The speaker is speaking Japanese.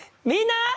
「みんな！